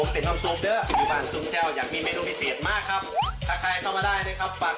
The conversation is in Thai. เปล่าก่อน